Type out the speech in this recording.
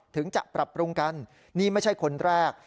ถึงจะปรับปรุงกันนี่ไม่ใช่คนแรก